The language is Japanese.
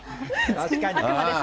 確かに。